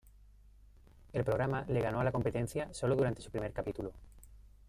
El programa le ganó a la competencia solo durante su primer capítulo.